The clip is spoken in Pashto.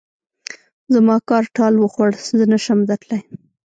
زما کار ټال وخوړ؛ زه نه شم درتلای.